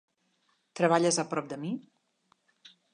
Treballes a prop de mi?